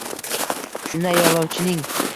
Shunda yo`lovchining